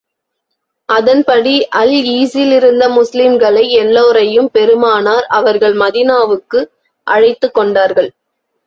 அதன்படி, அல் ஈஸிலிருந்த முஸ்லிம்களை எல்லோரையும் பெருமானார் அவர்கள் மதீனாவுக்கு அழைத்துக் கொண்டார்கள்.